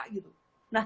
nah itu baru nama